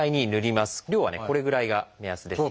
量はねこれぐらいが目安です。